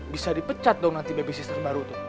bisa dipecat dong nanti baby sister baru tuh